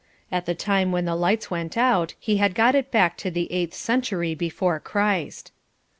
At the time when the lights went out he had got it back to the eighth century before Christ.